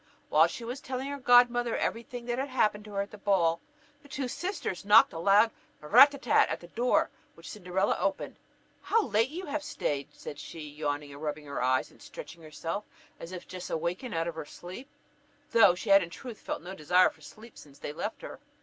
While she was telling her godmother every thing that had happened to her at the ball, the two sisters knocked a loud rat tat tat at the door; which Cinderella opened. "How late you have stayed!" said she, yawning, rubbing her eyes, and stretching herself, as if just awakened out of her sleep, though she had in truth felt no desire for sleep since they left her.